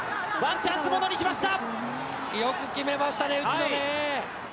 よく打ちましたね、内野ね。